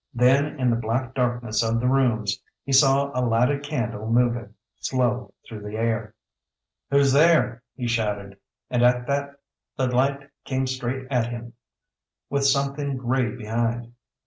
Then in the black darkness of the rooms he saw a lighted candle moving, slow through the air. "Who's there!" he shouted, and at that the light came straight at him with something grey behind.